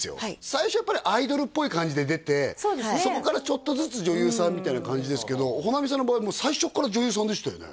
最初やっぱりアイドルっぽい感じで出てそこからちょっとずつ女優さんみたいな感じですけど保奈美さんの場合最初から女優さんでしたよね？